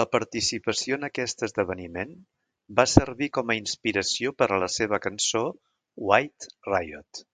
La participació en aquest esdeveniment va servir com a inspiració per a la seva cançó "White riot".